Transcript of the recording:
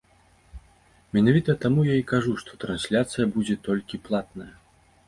Менавіта таму я і кажу, што трансляцыя будзе толькі платная!